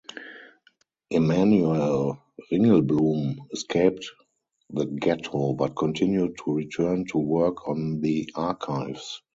Emanuel Ringelblum escaped the ghetto, but continued to return to work on the archives.